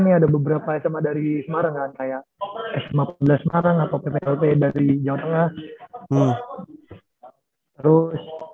nih ada beberapa sma dari semarang kayak sma empat belas semarang atau pplp dari jawa tengah terus